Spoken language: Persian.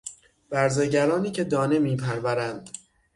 برزگرانی که دانه میپرورند...